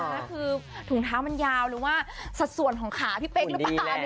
แล้วคือถุงเท้ามันยาวหรือว่าสัดส่วนของขาพี่เป๊กหรือเปล่า